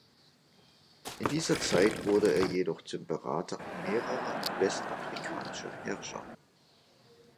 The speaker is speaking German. In dieser Zeit wurde er jedoch zum Berater mehrerer westafrikanischer Herrscher.